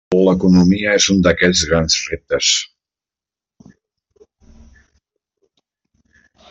L'economia és un d'aquests grans reptes.